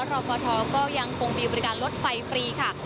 รอฟทก็ยังคงมีบริการรถไฟฟรีค่ะ